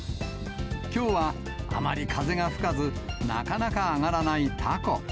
きょうはあまり風が吹かず、なかなか揚がらないたこ。